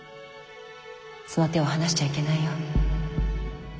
その手を離しちゃいけないよ。